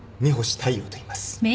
大陽といいます。